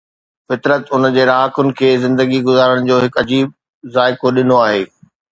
فطرت ان جي رهاڪن کي زندگي گذارڻ جو هڪ عجيب ذائقو ڏنو آهي.